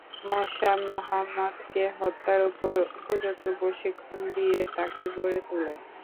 Motion মুহাম্মাদকে হত্যার জন্য উপযুক্ত প্রশিক্ষণ দিয়ে তাকে গড়ে তোলে।